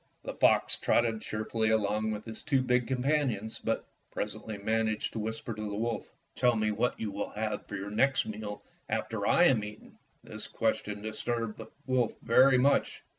The fox trotted cheerfully along with his two big companions, but presently managed to whisper to the wolf, "Tell me what you will have for your next meal after I am eaten." This question disturbed the wolf very much.